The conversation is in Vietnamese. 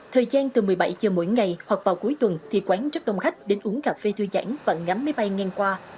thời gian từ một mươi bảy h mỗi ngày hoặc vào cuối tuần thì quán rất đông khách đến uống cà phê thư giãn và ngắm máy bay ngang qua